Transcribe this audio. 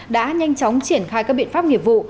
đã nhanh chóng triển khai các biện pháp nghiệp vụ